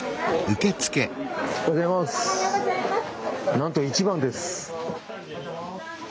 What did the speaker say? なんと１番です。